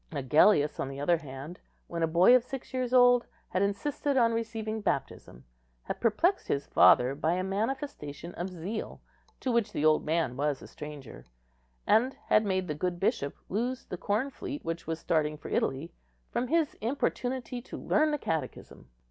Agellius, on the other hand, when a boy of six years old, had insisted on receiving baptism; had perplexed his father by a manifestation of zeal to which the old man was a stranger; and had made the good bishop lose the corn fleet which was starting for Italy from his importunity to learn the Catechism.